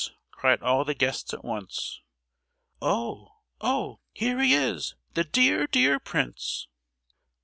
cried all the guests at once. "Oh, oh, here he is—the dear, dear prince!"